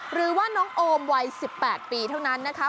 หรือว่าน้องโอมวัย๑๘ปีเท่านั้นนะคะ